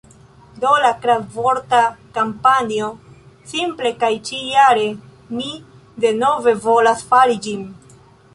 Do, la kradvorta kampanjo simple kaj ĉi-jare mi denove volas fari ĝin